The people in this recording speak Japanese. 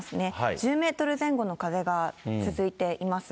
１０メートル前後の風が続いています。